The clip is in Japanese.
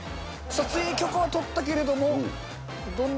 撮影許可は取ったけれども。